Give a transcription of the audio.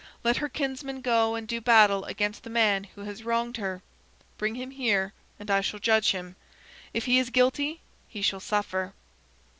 Let her kinsman go and do battle against the man who has wronged her. Bring him here, and I shall judge him. If he is guilty he shall suffer."